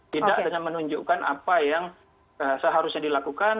tidak dengan menunjukkan apa yang seharusnya dilakukan